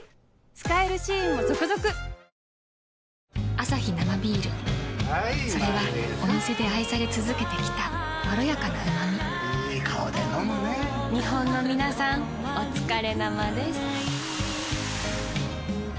アサヒ生ビールそれはお店で愛され続けてきたいい顔で飲むね日本のみなさんおつかれ生です。